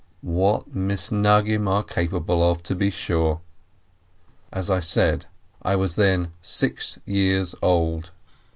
What Misnagdim are capable of, to be sure ! As I said, I was then six years old.